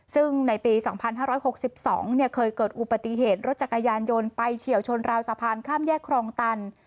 ซึ่งในปีสองพันห้าร้อยหกสิบสองเนี่ยเคยเกิดอุปติเหตุรถจักรยานยนต์ไปเฉียวชนราวสะพานข้ามแยกครองตัน